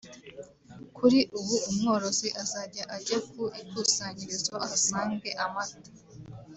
Kuri ubu umworozi azajya ajya ku ikusanyirizo ahasange amata